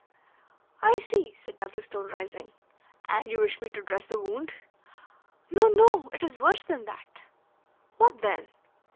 "I see," said Douglas Stone, rising. "And you wish me to dress the wound?" "No, no, it is worse than that." "What then?"